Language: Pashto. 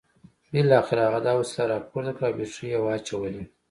بالاخره هغه دا وسیله راپورته کړه او بیټرۍ یې واچولې